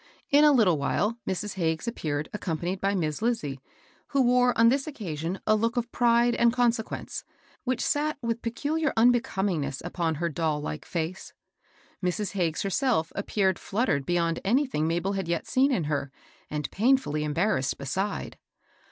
In a Httle while Mrs. Hagges appeared accompanied by Miss Lizie, who wore on this occasion a look of pride and consequence, which sat with peculiar unbecomingness upon her doll like face. Mrs. Hag ges herself appeared fluttered beyond anything Mabel had yet seen in her, and painfully embar rassed beside.